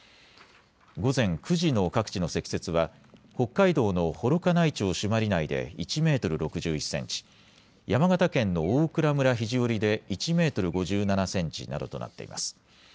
午前９時の各地の積雪は北海道の幌加内町朱鞠内で１メートル６１センチ、山形県の大蔵村肘折で１メートル５７センチなどとなっています。